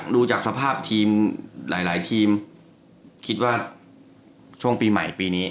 ดูจากสภาพทีมหลายทีมคิดว่าช่วงปีใหม่ปีนี้